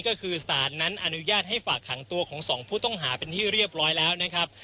ก็คือสารนั้นอนุญาตให้ฝากขังตัวของสองผู้ต้องหาเป็นที่เรียบร้อยแล้วนะครับ